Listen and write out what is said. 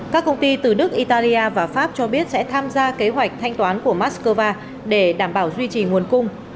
các công ty từ đức italia và pháp cho biết sẽ tham gia kế hoạch thanh toán của moscow để đảm bảo duy trì nguồn cung